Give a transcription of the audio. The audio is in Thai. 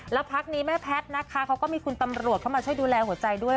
แล้วพักนี้แม่แพทย์นะคะเขาก็มีคุณตำรวจเข้ามาช่วยดูแลหัวใจด้วย